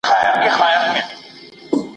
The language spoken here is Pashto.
پوهانو د ټولني هر اړخ ته پوره کتنه وکړه.